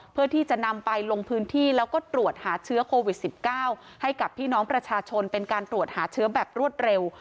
เพื่อที่จะนำไปลงพื้นที่แล้วก็ตรวจหาเชื้อโควิด๑๙ให้กับพี่น้องประชาชนเป็นการตรวจหาเชื้อแบบรวดเร็ว